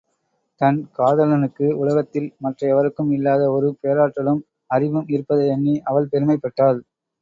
தன் காதலனுக்கு உலகத்தில் மற்ற எவருக்கும் இல்லாத ஒரு பேராற்றலும், அறிவும் இருப்பதை எண்ணி அவள் பெருமைப் பட்டாள்.